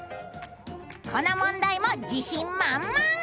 この問題も自信満々。